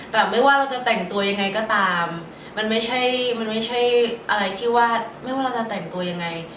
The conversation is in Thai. แต่ไม่ว่าเราจะแต่งตัวยังไงก็ตามมันไม่ใช่มันไม่ใช่อะไรที่ว่าไม่ว่าเราจะแต่งตัวยังไง